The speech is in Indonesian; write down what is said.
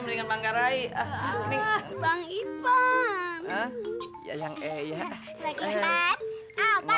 mereka pedisi ini